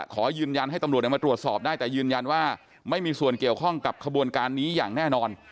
ขอยืนยันให้ตำรวจมาตรวจสอบได้แต่ยืนยันว่าไม่มีส่วนเกี่ยวข้องกับขบวนการนี้อย่างแน่นอน